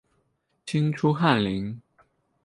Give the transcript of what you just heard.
清初翰林。